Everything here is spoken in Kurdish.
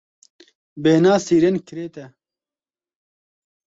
Bêhna sîrên kirêt e.